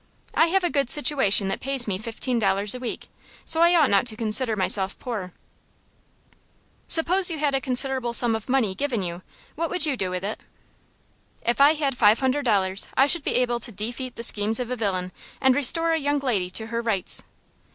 "I have a good situation that pays me fifteen dollars a week, so I ought not to consider myself poor." "Suppose you had a considerable sum of money given you, what would you do with it?" "If I had five hundred dollars, I should be able to defeat the schemes of a villain, and restore a young lady to her rights."